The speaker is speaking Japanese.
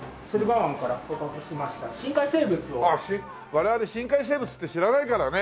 我々深海生物って知らないからね。